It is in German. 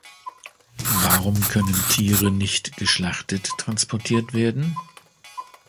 Warum können Tiere nicht geschlachtet transportiert werden?